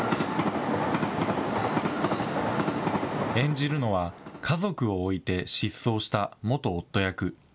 演じるのは、家族を置いて失踪した元夫役。